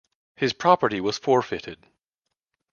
His property was forfeited.